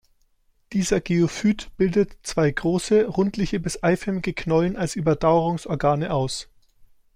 Dieser Geophyt bildet zwei große, rundliche bis eiförmige Knollen als Überdauerungsorgane aus.